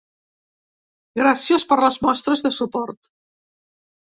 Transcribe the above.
Gràcies per les mostres de suport!